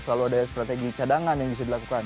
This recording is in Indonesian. selalu ada strategi cadangan yang bisa dilakukan